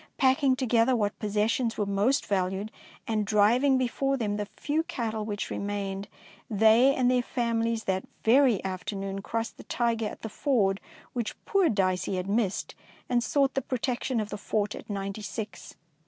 Packing together what possessions were most valued, and driv ing before them the few cattle which remained, they and their families that very afternoon crossed the Tyger at the ford which poor Dicey had missed, and sought the protection of the fort at Ninety six.